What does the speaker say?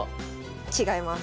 違います。